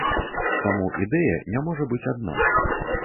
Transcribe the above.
Таму ідэя не можа быць адна.